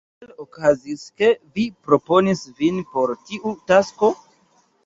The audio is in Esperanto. Kiel okazis, ke vi proponis vin por tiu tasko?